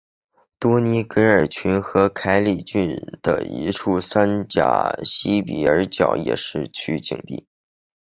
多尼戈尔郡和凯里郡的一处山岬西比尔角也是取景地。